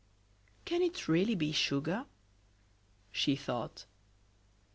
"Can it really be sugar?" she thought.